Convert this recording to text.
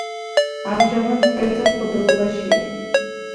ამჟამად კერძო მფლობელობაშია.